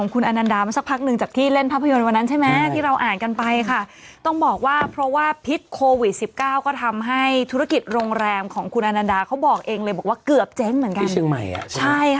ขนาดคุณอันนดัยยังบอกอย่างนี้เลย